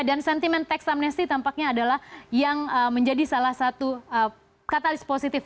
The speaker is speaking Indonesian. dan sentimen tax amnesty tampaknya adalah yang menjadi salah satu katalis positif